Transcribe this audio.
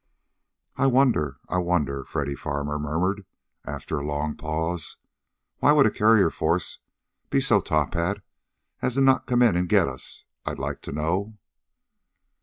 "I wonder, I wonder!" Freddy Farmer murmured after a long pause. "Why would a carrier force be so top hat as not to come in and get us, I'd like to know?"